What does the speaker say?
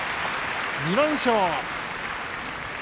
２連勝。